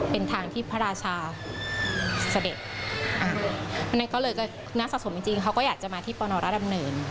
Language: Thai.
เป็นทางที่พระราชาเสด็จอันนั้นก็เลยก็นักสะสมจริงเขาก็อยากจะมาที่ประนอรัฐดำเนิน